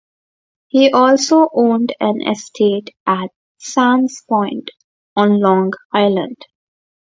He also owned an estate at Sands Point on Long Island.